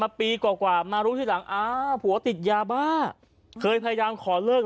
ปีกว่ามารู้ทีหลังอ่าผัวติดยาบ้าเคยพยายามขอเลิก